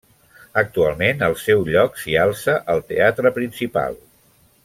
Actualment al seu lloc s'hi alça el Teatre Principal.